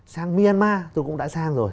sang myanmar tôi cũng đã sang rồi